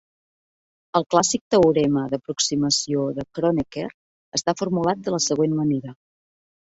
El clàssic teorema d'aproximació de Kronecker està formulat de la següent manera.